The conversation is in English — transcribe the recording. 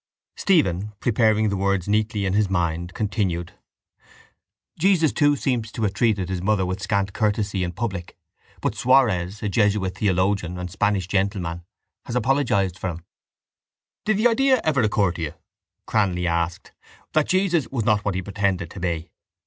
Stephen, preparing the words neatly in his mind, continued: —Jesus, too, seems to have treated his mother with scant courtesy in public but Suarez, a jesuit theologian and Spanish gentleman, has apologised for him. —Did the idea ever occur to you, Cranly asked, that Jesus was not what he pretended to be?